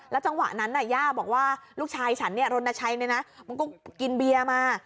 แล้วจังหวะนั้นนะย่าบอกว่าลูกชายฉันเนี่ยรณชัยเนี่ยนะมันก็กินเบียร์มา